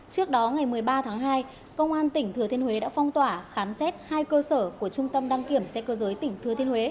trước đó ngày một mươi ba tháng hai công an tỉnh thừa thiên huế đã phong tỏa khám xét hai cơ sở của trung tâm đăng kiểm xe cơ giới tỉnh thừa thiên huế